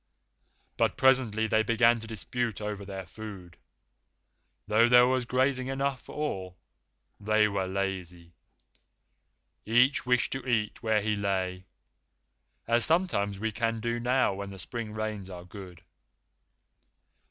But presently they began to dispute over their food, though there was grazing enough for all. They were lazy. Each wished to eat where he lay, as sometimes we can do now when the spring rains are good.